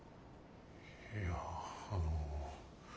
いやあの。